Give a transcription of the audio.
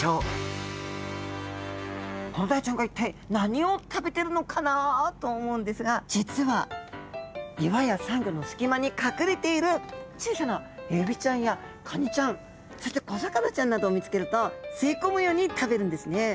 コロダイちゃんが一体何を食べてるのかなと思うんですが実は岩やサンゴの隙間に隠れている小さなエビちゃんやカニちゃんそして小魚ちゃんなどを見つけると吸い込むように食べるんですね。